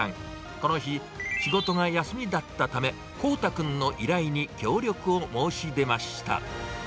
この日、仕事が休みだったため、航大君の依頼に協力を申し出ました。